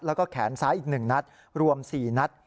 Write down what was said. แล้วก็แขนซ้ายอีก๑นัดรวม๔นัด